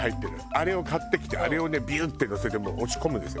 あれを買ってきてあれをねビュッてのせて押し込むんですよ